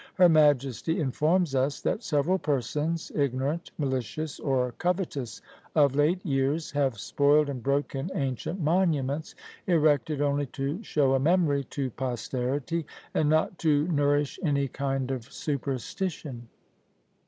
Her majesty informs us, that "several persons, ignorant, malicious, or covetous, of late years, have spoiled and broken ancient monuments, erected only to show a memory to posterity, and not to nourish any kind of superstition."